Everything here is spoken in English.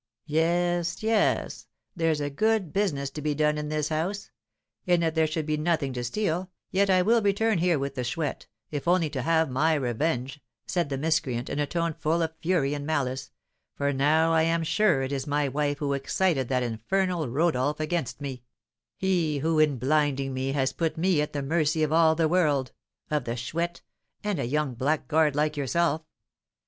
"Yes, yes, there's a good business to be done in this house; and, if there should be nothing to steal, yet I will return here with the Chouette, if only to have my revenge," said the miscreant, in a tone full of fury and malice, "for now I am sure it is my wife who excited that infernal Rodolph against me; he who, in blinding me, has put me at the mercy of all the world, of the Chouette, and a young blackguard like yourself.